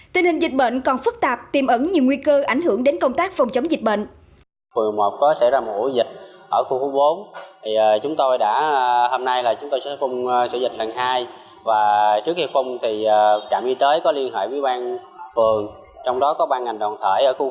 tình hình dịch bệnh còn phức tạp tiêm ẩn nhiều nguy cơ ảnh hưởng đến công tác phòng chống dịch bệnh